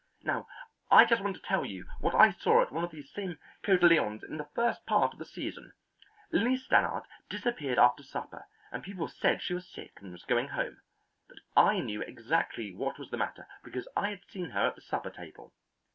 Now, I just want to tell you what I saw at one of these same Cotillons in the first part of the season. Lilly Stannard disappeared after supper and people said she was sick and was going home, but I knew exactly what was the matter, because I had seen her at the supper table.